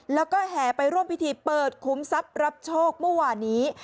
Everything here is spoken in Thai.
แล้วก็แห่ไปร่วมพิธีเปิดคุ้มทรัพย์รับโชคเมื่อวานี้